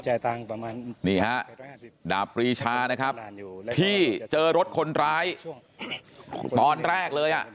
ประมาณนี่ฮะดาบปรีชานะครับที่เจอรถคนร้ายตอนแรกเลยอ่ะ